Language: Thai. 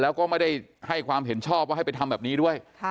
แล้วก็ไม่ได้ให้ความเห็นชอบว่าให้ไปทำแบบนี้ด้วย